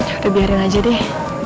udah biarin aja deh